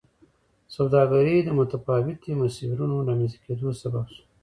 سوداګري د متفاوتو مسیرونو د رامنځته کېدو سبب شوه.